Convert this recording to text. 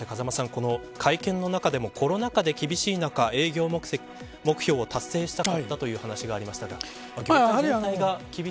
会見の中でも、コロナ禍で厳しい中、営業目標を達成したかったという話がありましたが。